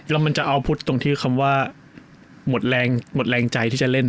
แล้วมันจะเอาพุทธตรงที่คำว่าหมดแรงหมดแรงใจที่จะเล่น